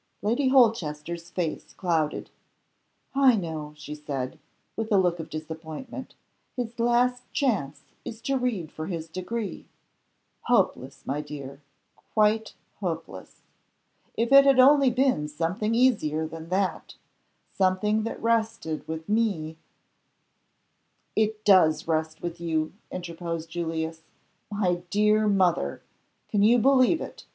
Lady Holchester's face clouded. "I know," she said, with a look of disappointment. "His last chance is to read for his degree. Hopeless, my dear. Quite hopeless! If it had only been something easier than that; something that rested with me " "It does rest with you," interposed Julius. "My dear mother! can you believe it?